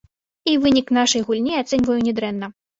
І вынік нашай гульні ацэньваю нядрэнна.